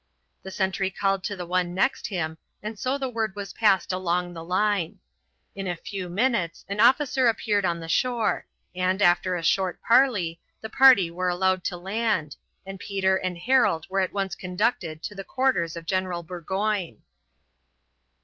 The sentry called to the one next him, and so the word was passed along the line. In a few minutes an officer appeared on the shore, and, after a short parley, the party were allowed to land, and Peter and Harold were at once conducted to the headquarters of General Burgoyne.